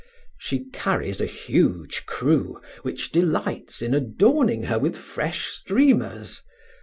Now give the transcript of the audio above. She carries a huge crew, which delights in adorning her with fresh streamers.